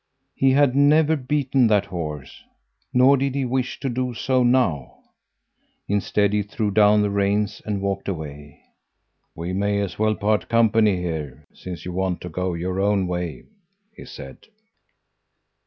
He had never beaten that horse, nor did he wish to do so now. Instead, he threw down the reins and walked away. "'We may as well part company here, since you want to go your own way,' he said.